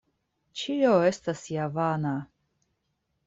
Ĉio estas ja vana.